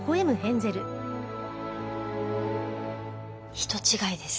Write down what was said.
人違いです。